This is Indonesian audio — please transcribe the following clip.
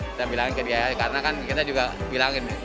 kita bilang ke dia karena kan kita juga bilangin